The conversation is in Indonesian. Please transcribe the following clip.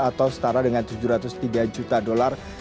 atau setara dengan tujuh ratus tiga juta dolar